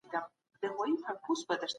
مرګ د ټولو مزمنو ناروغیو ابدي درمل دی.